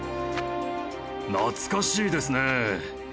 懐かしいですね。